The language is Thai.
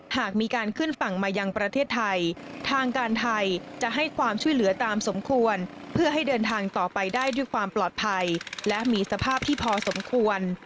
หากมีการขึ้นฝั่งมายังประเทศไทยทางการไทยจะให้ความช่วยเหลือตามสมควรเพื่อให้เดินทางต่อไปได้ด้วยความปลอดภัยและมีสภาพที่พอสมควร